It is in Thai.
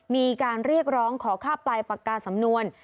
มีการเรียกร้องขอค่าปลายปากกาสำนวน